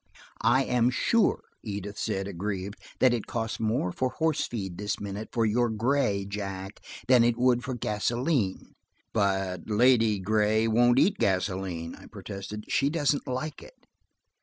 "I am sure," Edith said aggrieved, "that it costs more for horse feed this minute for your gray, Jack, than it would for gasoline." "But Lady Gray won't eat gasoline," I protested. "She doesn't like it."